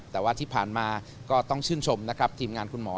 แต่ว่าที่ผ่านมาก็ต้องชื่นชมนะครับทีมงานคุณหมอ